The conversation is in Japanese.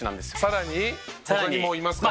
さらに？他にもいますか？